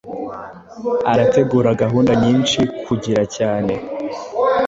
Arategura gahunda nyinshi kugira cyane